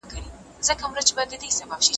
پلار د کورنۍ د امنیت لپاره کار کوي.